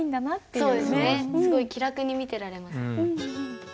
すごい気楽に見てられます。